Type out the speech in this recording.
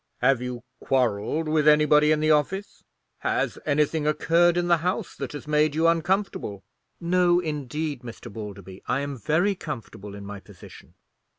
"Have you quarrelled with anybody in the office? Has anything occurred in the house that has made you uncomfortable?" "No, indeed, Mr. Balderby; I am very comfortable in my position."